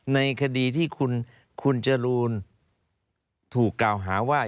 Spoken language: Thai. ในคดีที่คุณจรูนถูกกล่าวหาว่า